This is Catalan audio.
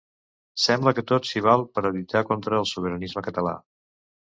Sembla que tot s’hi val per a lluitar contra el sobiranisme català.